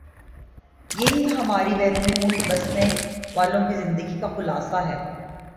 یہی ہماری بیرون ملک بسنے والوں کی زندگی کا خلاصہ ہے